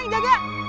siapa sih yang jaga